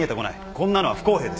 こんなのは不公平です。